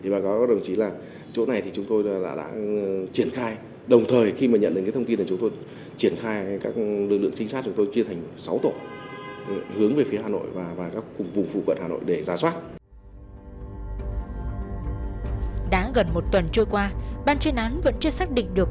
ban chuyên án vẫn chưa xác định được